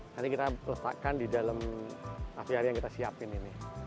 nanti kita letakkan di dalam aviari yang kita siapin ini